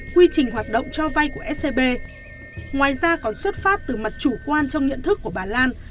quy trình hoạt động cho vay của scb ngoài ra còn xuất phát từ mặt chủ quan trong nhận thức của bà lan